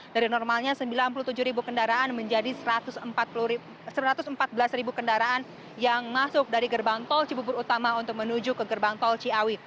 dari normalnya sembilan puluh tujuh ribu kendaraan menjadi satu ratus empat belas kendaraan yang masuk dari gerbang tol cibubur utama untuk menuju ke gerbang tol ciawi